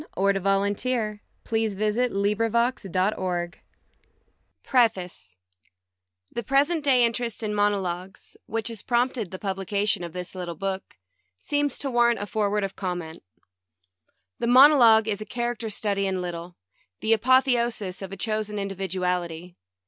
.. 175 "Who 's Afraid ?" 187 The Optimist 197 VI PREFACE THE present day interest in monologues, which has prompted the publication of this little book, seems to warrant a fore word of comment. The monologue is a character study in lit tle; the apotheosis of a chosen individuality.